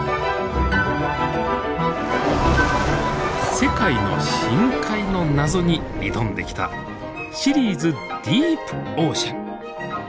世界の深海の謎に挑んできた「シリーズディープオーシャン」。